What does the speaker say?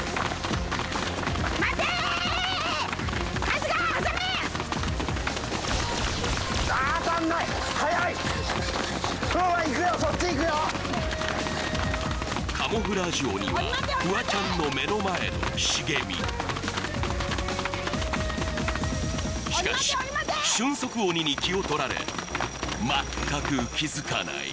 春日カモフラージュ鬼はフワちゃんの目の前の茂みしかし俊足鬼に気をとられ全く気づかない